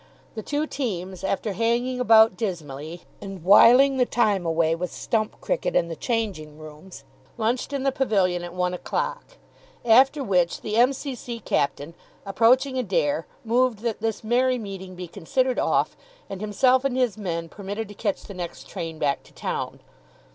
The two teams, after hanging about dismally, and whiling the time away with stump cricket in the changing rooms, lunched in the pavilion at one o'clock. After which the M.C.C. captain, approaching Adair, moved that this merry meeting be considered off and himself and his men permitted to catch the next train back to town.